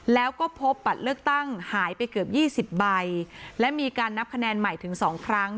แล้วก็พบบัตรเลือกตั้งหายไปเกือบ๒๐ใบและมีการนับคะแนนใหม่ถึง๒ครั้ง